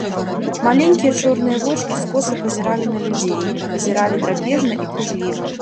Маленькія чорныя вочкі скоса пазіралі на людзей, пазіралі драпежна і пужліва.